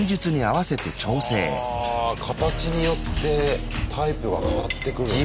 あ形によってタイプが変わってくるんだ。